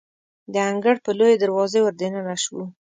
د انګړ په لویې دروازې وردننه شوو.